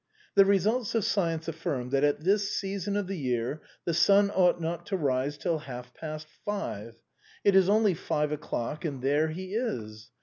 The results of science affirm that at this season of the year the sun ought not to rise till half past five : it is only five o'clock, and there he is